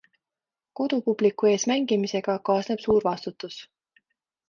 Kodupubliku ees mängimisega kaasneb suur vastutus.